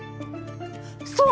そう！